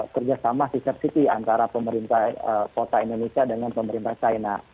kerjasama sister city antara pemerintah kota indonesia dengan pemerintah china